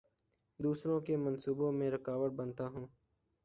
دوسروں کے منصوبوں میں رکاوٹ بنتا ہوں